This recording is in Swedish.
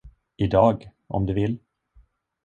I dag, om du vill.